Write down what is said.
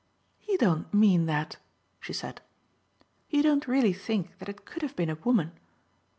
"You don't mean that?" she said. "You don't really think that it could have been a woman?"